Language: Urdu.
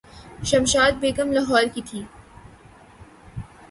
شمشاد بیگم لاہورکی تھیں۔